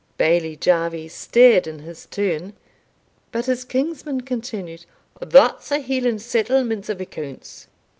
Bailie Jarvie stared in his turn, but his kinsman continued, "That's a Hieland settlement of accounts.